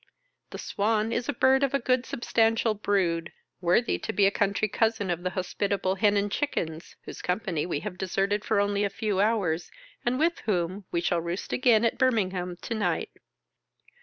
The Swan is a bird of a good substantial brood, worthy to be a country cousin of the hospitable Hen and Chickens, whose company we have deserted for only a few hours and with whom we shall roost again at Birmingham to night.